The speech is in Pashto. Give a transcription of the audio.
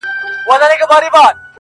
• هر څوک د پیښي خپل تفسير وړاندي کوي,